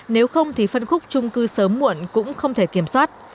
nếu không thì phân khúc trung cư sớm muộn cũng không thể kiểm soát